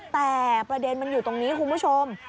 แต่ประเด็นมันอยู่ตรงนี้คุณผู้ชม